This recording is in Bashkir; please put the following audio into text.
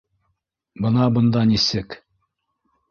Бына бында нисек